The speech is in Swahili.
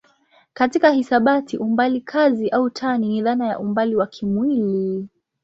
Katika hisabati umbali kazi au tani ni dhana ya umbali wa kimwili.